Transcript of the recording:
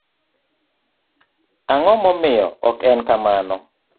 ang'o momiyo ok en kamano?